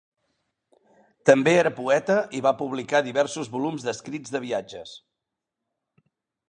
També era poeta i va publicar diversos volums d'escrits de viatges.